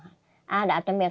nggak ada hal aneh